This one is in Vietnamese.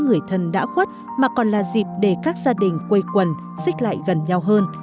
nhưng cũng là những người thân đã khuất mà còn là dịp để các gia đình quây quần xích lại gần nhau hơn